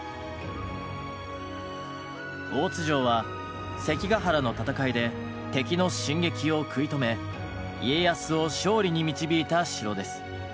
大津城は関ヶ原の戦いで敵の進撃を食い止め家康を勝利に導いた城です。